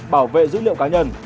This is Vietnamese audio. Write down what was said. bảo vệ dữ liệu cá nhân